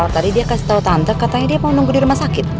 tadi dia kasih tahu tante katanya dia mau nunggu di rumah sakit